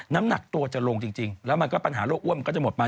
น้ำหนักตัวจะลงจริงแล้วมันก็ปัญหาโรคอ้วนมันก็จะหมดมา